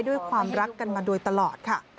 ด้วยความรักกันมาโดยตลอดค่ะ